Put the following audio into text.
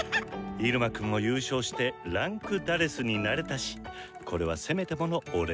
入間くんも優勝して位階「４」になれたしこれはせめてものお礼！